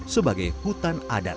sebagai hutan adat